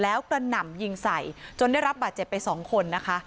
แล้วกระหน่ำยิงใส่จนได้รับบาดเจ็บไปสองคนนะคะ